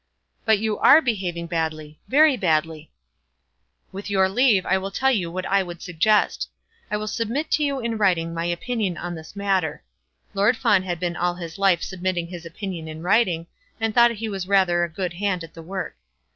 "But you are behaving badly, very badly." "With your leave I will tell you what I would suggest. I will submit to you in writing my opinion on this matter;" Lord Fawn had been all his life submitting his opinion in writing, and thought that he was rather a good hand at the work.